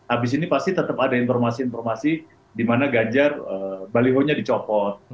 abis ini pasti tetap ada informasi informasi di mana ganjar balihonya dicopot